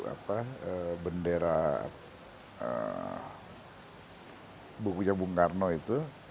apa bendera bukunya bung karno itu